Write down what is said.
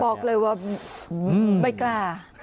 บอกเลยว่าไม่กล้า